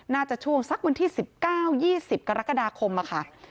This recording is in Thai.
ช่วงสักวันที่๑๙๒๐กรกฎาคมค่ะ